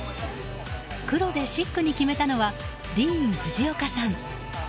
黒でシックに決めたのはディーン・フジオカさん。